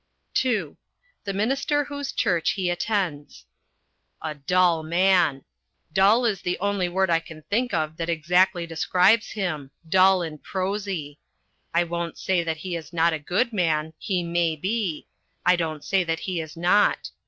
(II) THE MINISTER WHOSE CHURCH HE ATTENDS A dull man. Dull is the only word I can think of that exactly describes him dull and prosy. I don't say that he is not a good man. He may be. I don't say that he is not.